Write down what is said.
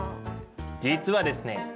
実はですね